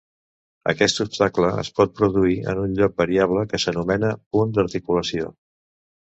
Aquest obstacle es pot produir en un lloc variable que s'anomena punt d'articulació.